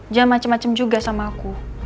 dia macem macem juga sama aku